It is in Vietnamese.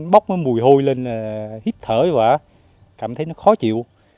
bóc mùi hôi lên hiếp thở và cảm thấy nó khó chịu